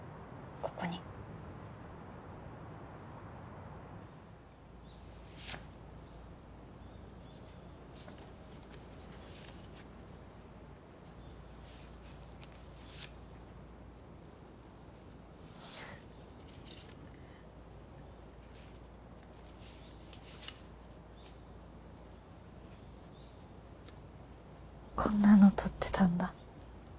ここにこんなの撮ってたんだ